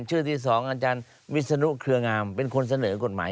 ชื่อที่๒อาจารย์วิศนุเครืองามเป็นคนเสนอกฎหมาย